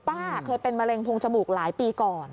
ป้าเคยเป็นมะเร็งพงจมูกหลายปีก่อน